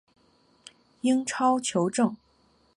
英超球证